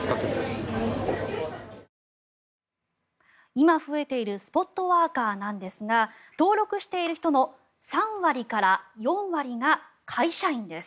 今増えているスポットワーカーですが登録している人の３割から４割が会社員です。